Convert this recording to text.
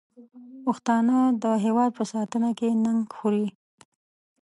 پښتانه د هېواد په ساتنه کې ننګ خوري.